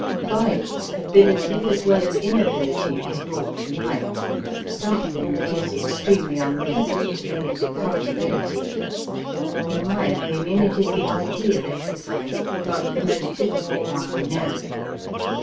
By it ability as well as inability is brought to light something that is extremely un pleasant to those without ability. In my opinion it is the ideal exercise, but the most difficult one I know.